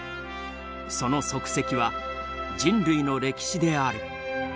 その足跡は人類の歴史である。